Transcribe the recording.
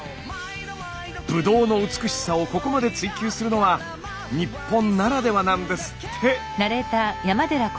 ブドウの美しさをここまで追求するのは日本ならではなんですって！